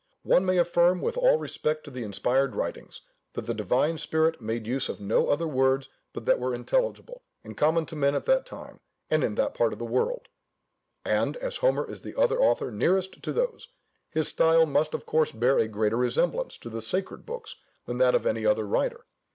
One may affirm, with all respect to the inspired writings, that the Divine Spirit made use of no other words but what were intelligible and common to men at that time, and in that part of the world; and, as Homer is the author nearest to those, his style must of course bear a greater resemblance to the sacred books than that of any other writer.